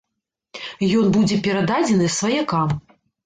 Ён будзе перададзены сваякам.